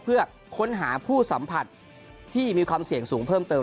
เพื่อค้นหาผู้สัมผัสที่มีความเสี่ยงสูงเพิ่มเติม